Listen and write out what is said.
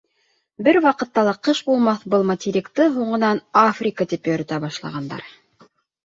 Бер ваҡытта ла ҡыш булмаҫ был материкты һуңынан Африка тип йөрөтә башлағандар.